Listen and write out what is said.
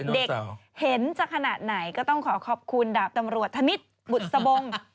เด็กเห็นจะขนาดไหนก็ต้องขอขอบคุณดาบตำรวจธนิษฐ์บุษบง